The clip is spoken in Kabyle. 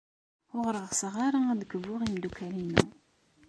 Ur ɣseɣ ara ad kbuɣ imeddukal-inu.